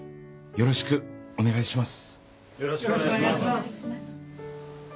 よろしくお願いします。